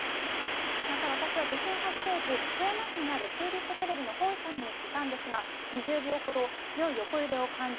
また私は、地震発生時、富山市にあるチューリップテレビの本社にいたんですが、２０秒ほど強い横揺れを感じ